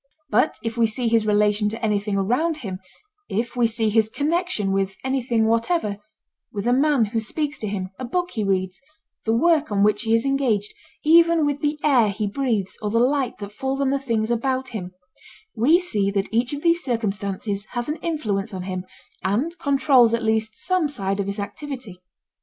But if we see his relation to anything around him, if we see his connection with anything whatever—with a man who speaks to him, a book he reads, the work on which he is engaged, even with the air he breathes or the light that falls on the things about him—we see that each of these circumstances has an influence on him and controls at least some side of his activity.